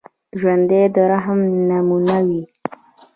ژوندي د رحم نمونه وي